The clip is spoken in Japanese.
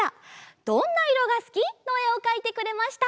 「どんな色がすき」のえをかいてくれました。